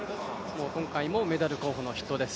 今回もメダル候補の筆頭です。